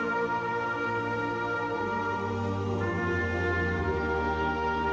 โรงพยาบาลวิทยาศาสตรี